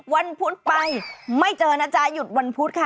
พุธไปไม่เจอนะจ๊ะหยุดวันพุธค่ะ